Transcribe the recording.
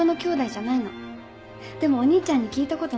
でもお兄ちゃんに聞いたことないの。